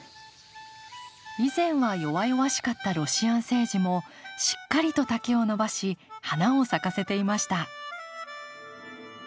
以前は弱々しかったロシアンセージもしっかりと丈を伸ばし花を咲かせていました。